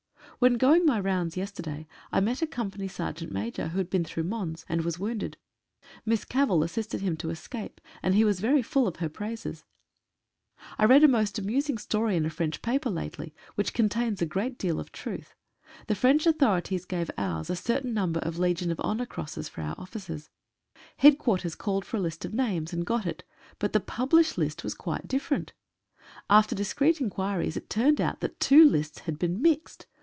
When going my rounds yesterday I met a company sergeant major who had been through Mons, and was wounded. Miss Cavell assisted him to escape, and he was very full of her praises. 150 AN AMUSING STORY. I read a most amusing story in a French paper lately, which contains a good deal of truth. The French authorities gave ours a certain number of Legion of Honour Crosses for our officers. Headquarters called for a list of names and got it — but the published list was quite different. After discreet inquiries it turned out that two lists had been mixed.